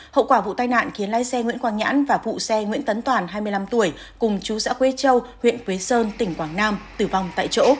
hậu quả vụ tai nạn khiến lái xe nguyễn quang nhãn và vụ xe nguyễn tấn toàn hai mươi năm tuổi cùng chú xã quế châu huyện quế sơn tỉnh quảng nam tử vong tại chỗ